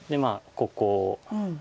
ここ。